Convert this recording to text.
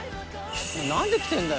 「何で来てんだよ？」